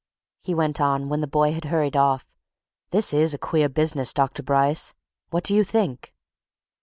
he went on, when the boy had hurried off, "this is a queer business, Dr. Bryce! What do you think?"